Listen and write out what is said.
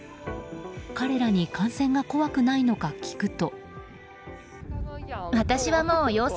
彼らに感染が怖くないのか聞くと。